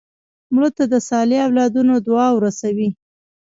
مړه ته د صالح اولادونو دعا ورسوې